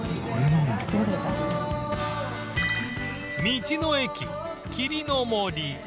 道の駅霧の森